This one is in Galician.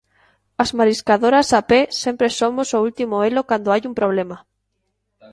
As mariscadoras a pé sempre somos o último elo cando hai un problema.